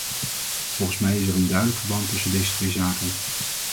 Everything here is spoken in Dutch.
Volgens mij is er een duidelijk verband tussen deze twee zaken.